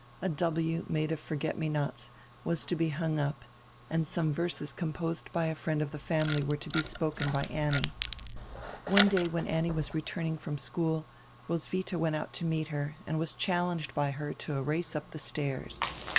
A " W," made of forget me nots, was to be hung up and some verses composed by a friend of the family were to be spoken by Annie. One day when Annie was returning from school Roswitha went out to meet her and was challenged by her to a race up the stairs.